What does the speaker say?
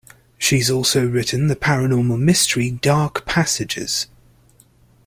She's also written the paranormal mystery, Dark Passages.